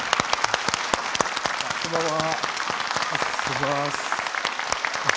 こんばんは。